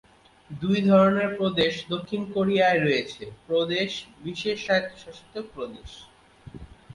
দুই ধরনের প্রদেশ দক্ষিণ কোরিয়ায় রয়েছে: প্রদেশ, বিশেষ স্বায়ত্বশাসিত প্রদেশ।